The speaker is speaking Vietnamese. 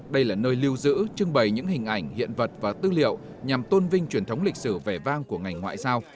đây là nơi lưu giữ trưng bày những hình ảnh hiện vật và tư liệu nhằm tôn vinh truyền thống lịch sử vẻ vang của ngành ngoại giao